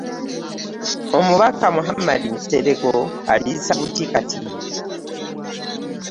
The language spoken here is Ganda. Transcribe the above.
Omubaka Muhammad Nsereko alisa buti kati